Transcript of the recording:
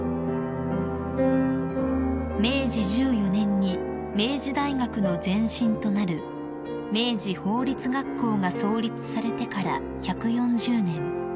［明治１４年に明治大学の前身となる明治法律学校が創立されてから１４０年］